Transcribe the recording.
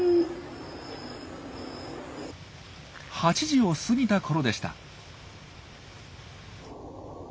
８時を過ぎたころでした。